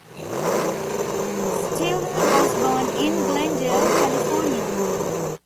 Stillwell was born in Glendale, California.